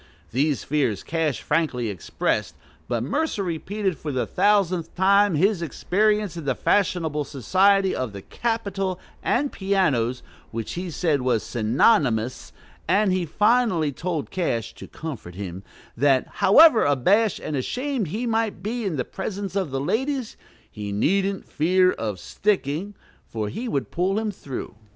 These fears Cash frankly expressed; but Mercer repeated for the thousandth time his experience in the fashionable society of the "Capitol, and pianos," which he said "was synonymous;" and he finally told Cash, to comfort him, that, however abashed and ashamed he might be in the presence of the ladies, "he needn't fear of sticking, for he would pull him through."